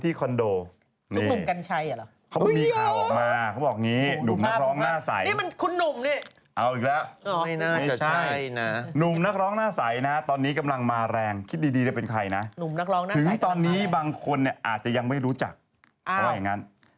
เสร็จเลยตกไปหนึ่งหนึ่งหนึ่ง